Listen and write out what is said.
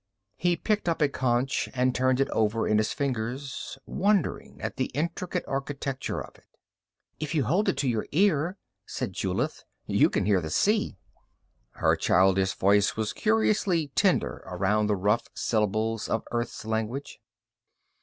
He picked up a conch and turned it over in his fingers, wondering at the intricate architecture of it. "If you hold it to your ear," said Julith, "you can hear the sea." Her childish voice was curiously tender around the rough syllables of Earth's language.